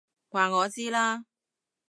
話我知啦！